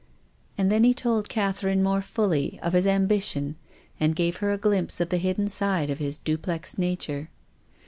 And then he told Catherine more fully of his ambition and gave her a glimpse of the hidden side of his duplex nature.